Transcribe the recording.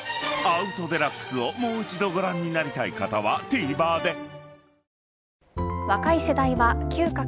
［『アウト×デラックス』をもう一度ご覧になりたい方はＴＶｅｒで］